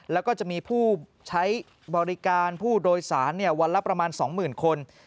แล้วก็จะมีผู้ใช้บริการผู้โดยสารวันละประมาณ๒๐๐๐คน